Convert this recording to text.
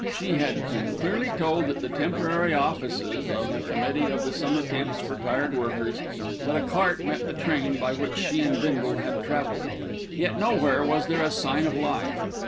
She had been clearly told at the temporary offices of the Committee of the Summer Camps for Tired Workers, that a cart met the train by which she and Bindle had travelled; yet nowhere was there a sign of life.